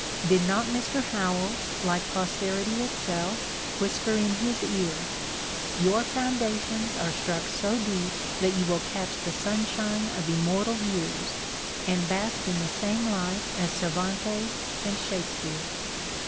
Did not Mr. Howells, like posterity itself, whisper in his ear :'' Your foundations are struck so deep that you will catch the sunshine of immortal years, and bask in the same light as Cervantes and Shakespeare"?